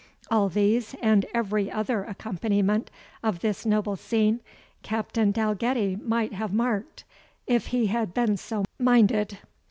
All these, and every other accompaniment of this noble scene, Captain Dalgetty might have marked, if he had been so minded.